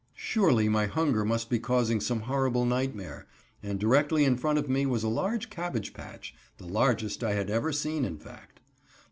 Surely my hunger must be causing some horrible nightmare, and directly in front of me was a large cabbage patch the largest I had ever seen, in fact.